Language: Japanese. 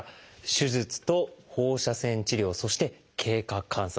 「手術」と「放射線治療」そして「経過観察」